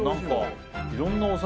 いろんなお酒